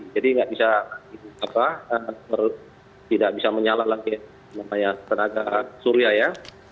jadi tidak bisa menyalakan lagi tenaga surya ya